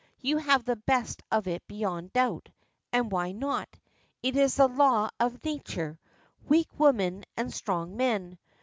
you have the best of it beyond doubt! And why not? It is the law of nature weak woman and strong man!